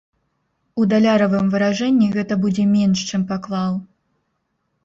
У даляравым выражэнні гэта будзе менш, чым паклаў.